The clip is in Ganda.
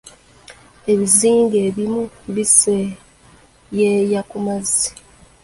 Ebizinga ebimu biseeyeeya ku mazzi.